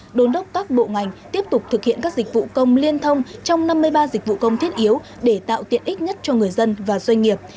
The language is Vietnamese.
bộ trưởng tô lâm đề nghị các bộ ngành tiếp tục thực hiện các dịch vụ công liên thông trong năm mươi ba dịch vụ công thiết yếu để tạo tiện ích nhất cho người dân và doanh nghiệp